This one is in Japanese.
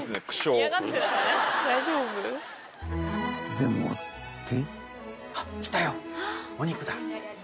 ［でもって］